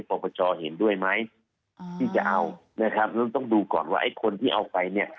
ปปชเห็นด้วยไหมที่จะเอานะครับต้องดูก่อนว่าไอ้คนที่เอาไปเนี่ย